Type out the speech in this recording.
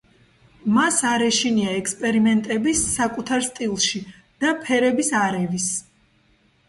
მას არ ეშინია ექსპერიმენტების საკუთარ სტილში და ფერების არევის.